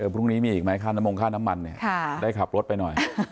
พรุ่งนี้มีอีกไหมค่าน้ำมงค่าน้ำมันได้ขับรถไปหน่อย